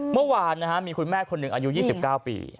เมื่อวานมีคุณแม่คนหนึ่งอายุ๒๙ปี